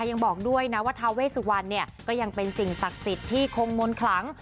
ยังบอกด้วยนะว่าทาเวสุวรรณเนี่ยก็ยังเป็นสิ่งศักดิ์สิทธิ์ที่คงมนต์ขลัง